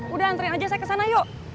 udah antren aja saya kesana yuk